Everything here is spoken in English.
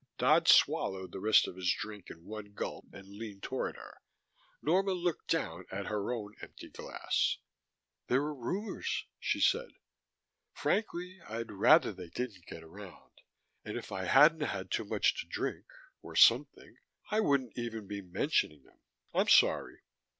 Dodd swallowed the rest of his drink in one gulp and leaned toward her. Norma looked down at her own empty glass. "There are rumors," she said. "Frankly, I'd rather they didn't get around. And if I hadn't had too much to drink or something I wouldn't even be mentioning them. I'm sorry."